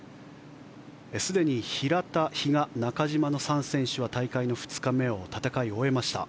すでに平田、比嘉、中島の３選手は大会の２日目を戦い終えました。